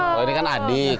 halo ini kan adik